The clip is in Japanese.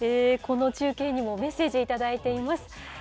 この中継にもメッセージ頂いています。